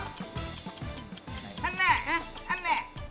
คนรู้ใครกับใครครับ